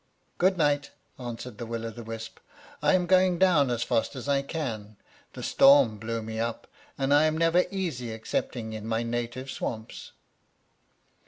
"Good night," answered the Will o' the wisp. "I am going down as fast as I can; the storm blew me up, and I am never easy excepting in my native swamps."